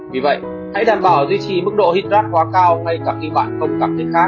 vì vậy hãy đảm bảo duy trì mức độ hịch loạt hóa cao ngay cả khi bạn không cặp thích khác